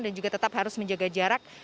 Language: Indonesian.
dan juga tetap harus menjaga jarak